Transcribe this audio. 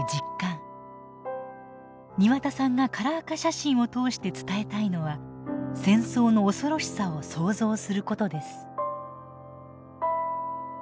庭田さんがカラー化写真を通して伝えたいのは戦争の恐ろしさを想像することです。